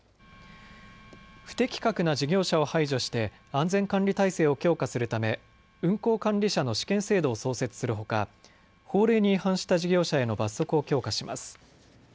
不適格な事業者を排除して安全管理体制を強化するため運航管理者の試験制度を創設するほか法令に違反した事業者への罰則を強化します。